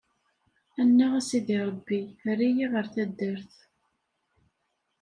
Annaɣ a Sidi Ṛebbi, err-iyi ɣer taddart.